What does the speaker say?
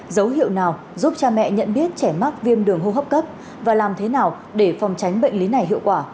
giúp cha mẹ nhận biết trẻ mắc viêm đường hô hấp cấp và làm thế nào để phòng tránh bệnh lý này hiệu quả